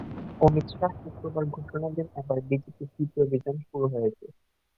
অমিত শাহ শুক্রবার ঘোষণা দেন, এবার বিজেপির দ্বিতীয় অভিযান শুরু হয়েছে।